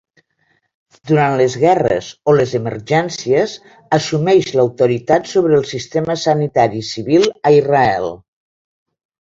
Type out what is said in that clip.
Durant les guerres o les emergències assumeix l'autoritat sobre el sistema sanitari civil a Israel.